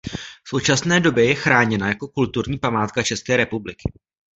V současné době je chráněna jako kulturní památka České republiky.